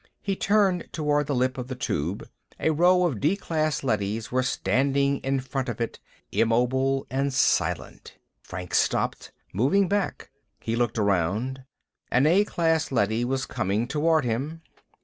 He turned toward the lip of the Tube. A row of D class leadys was standing in front of it, immobile and silent. Franks stopped, moving back. He looked around. An A class leady was coming toward him.